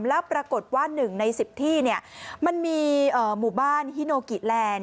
แล้วปรากฏว่า๑ใน๑๐ที่มันมีหมู่บ้านฮิโนกิแลนด์